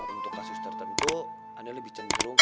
untuk kasus tertentu anda lebih cenderung